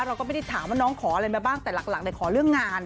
เราก็ไม่ได้ถามว่าน้องขออะไรมาบ้างแต่หลักเลยขอเรื่องงาน